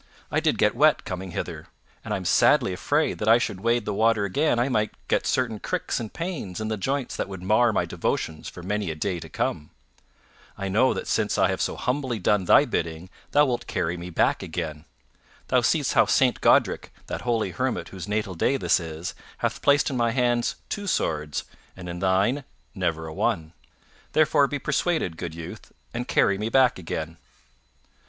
I did get wet coming hither, and am sadly afraid that should I wade the water again I might get certain cricks and pains i' the joints that would mar my devotions for many a day to come. I know that since I have so humbly done thy bidding thou wilt carry me back again. Thou seest how Saint Godrick, that holy hermit whose natal day this is, hath placed in my hands two swords and in thine never a one. Therefore be persuaded, good youth, and carry me back again."